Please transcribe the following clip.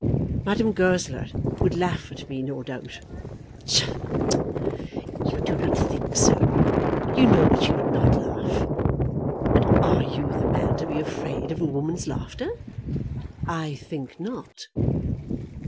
"Madame Goesler would laugh at me, no doubt." "Psha! You do not think so. You know that she would not laugh. And are you the man to be afraid of a woman's laughter? I think not."